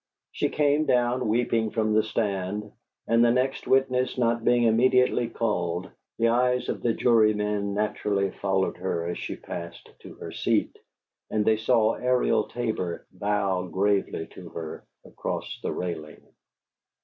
She came down weeping from the stand; and, the next witness not being immediately called, the eyes of the jurymen naturally followed her as she passed to her seat, and they saw Ariel Tabor bow gravely to her across the railing.